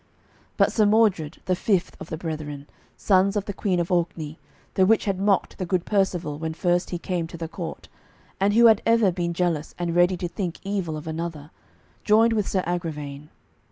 But Sir Mordred, the fifth of the brethren, sons of the Queen of Orkney, the which had mocked the good Percivale when first he came to the court, and who had ever been jealous and ready to think evil of another, joined with Sir Agravaine.